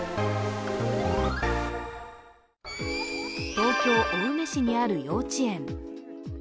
東京・青梅市にある幼稚園。